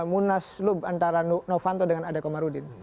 munas lub antara novanto dengan adekomarudin